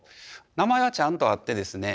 名前はちゃんとあってですね